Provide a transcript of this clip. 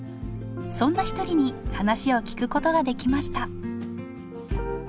そんな一人に話を聞くことができました